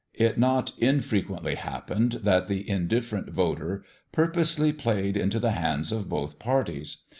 It not infrequently happened that the indifferent voter purposely played into the hands of both parties.